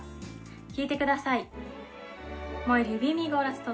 聞いてください。